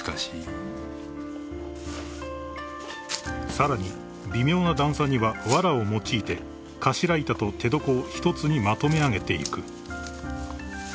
［さらに微妙な段差にはわらを用いて頭板と手床を一つにまとめ上げていく］